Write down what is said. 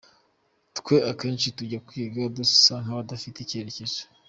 Twe akenshi tujya kwiga dusa n’abadafite icyerekezo.